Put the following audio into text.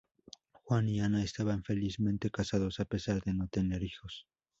Juan y Ana estaban felizmente casados, a pesar de no tener hijos.